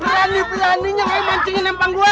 berani beraninya ngelih mancingin empang gue